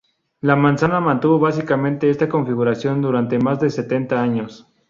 La manzana mantuvo básicamente esta configuración durante más de setenta años.